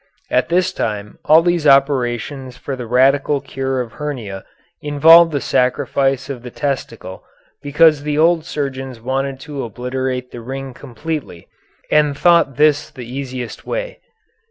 At this time all these operations for the radical cure of hernia involved the sacrifice of the testicle because the old surgeons wanted to obliterate the ring completely, and thought this the easiest way.